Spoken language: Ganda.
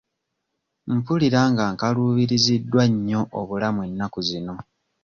Mpulira nga nkaluubiriziddwa nnyo obulamu ennaku zino.